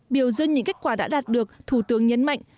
biểu dương những kết quả đã đạt được thủ tướng nhấn mạnh